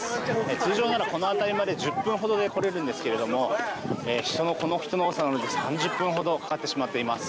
通常ならこの辺りまで１０分ほどで来られますがこの人の多さなので、３０分ほどかかってしまっています。